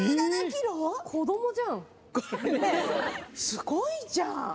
すごいじゃん。